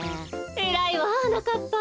えらいわはなかっぱ。